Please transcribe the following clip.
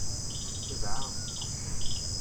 Tedɛa.